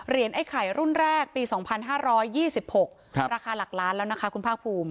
ไอ้ไข่รุ่นแรกปี๒๕๒๖ราคาหลักล้านแล้วนะคะคุณภาคภูมิ